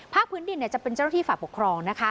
พื้นดินจะเป็นเจ้าหน้าที่ฝ่ายปกครองนะคะ